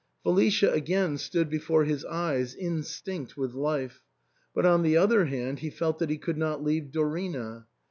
Felicia again stood before his eyes instinct with life ; but, on the other hand, he felt that he could not leave Dorina.